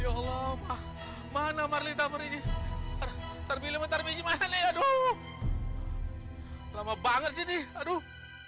ya allah mana marlita merigi terpilih menter gimana nih aduh lama banget sih aduh